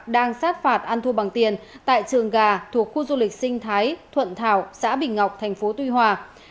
đang sát phạt ăn thua bằng tiền tại trường gà thuộc khu du lịch sinh thái thuận thảo xã bình ngọc thành phố tuy hòa